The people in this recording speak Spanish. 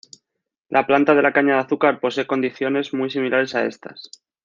La planta de la caña de azúcar posee condiciones muy similares a estas.